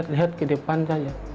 lihat ke depan saja